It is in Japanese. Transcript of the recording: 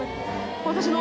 私の？